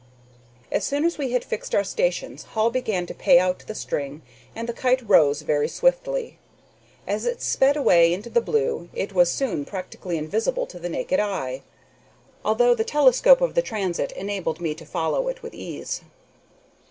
As soon as we had fixed our stations Hall began to pay out the string, and the kite rose very swiftly. As it sped away into the blue it was soon practically invisible to the naked eye, although the telescope of the transit enabled me to follow it with ease.